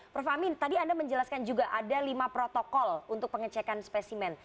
prof amin tadi anda menjelaskan juga ada lima protokol untuk pengecekan spesimen